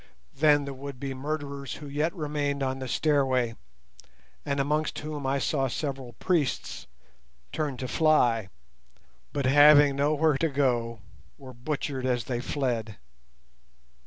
Then the would be murderers who yet remained on the stairway, and amongst whom I saw several priests, turned to fly, but, having nowhere to go, were butchered as they fled.